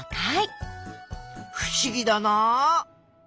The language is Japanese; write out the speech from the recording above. ふしぎだな。